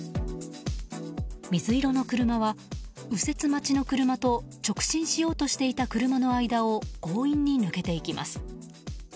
水色の車は、右折待ちの車と直進しようとしていた車の間を強引に抜けていきます。